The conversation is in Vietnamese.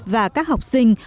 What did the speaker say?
và các học sinh có tối tư